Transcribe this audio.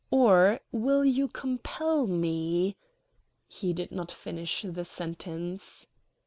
"Or will you compel me ..." He did not finish the sentence.